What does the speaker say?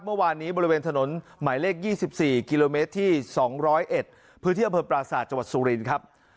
เมื่อวานนี้บริเวณถนนหมายเลข๒๔กิโลเมตรที่๒๐๑พอปราศาสตร์จสุรินทร์ครับ